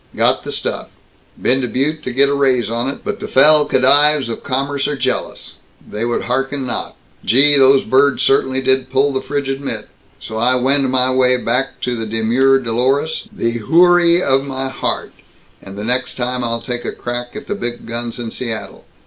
Got the stuff. Been to Butte to get a raise on it, but the fell khedives of commerce are jealous. They would hearken not. Gee, those birds certainly did pull the frigid mitt! So I wend my way back to the demure Dolores, the houri of my heart, and the next time I'll take a crack at the big guns in Seattle.